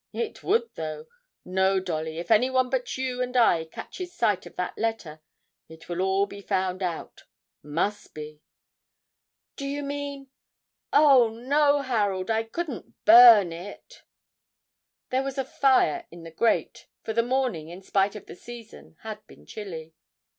It would, though! No, Dolly, if anyone but you and I catches sight of that letter, it will all be found out must be!' 'Do you mean? oh, no, Harold, I couldn't burn it!' There was a fire in the grate, for the morning, in spite of the season, had been chilly.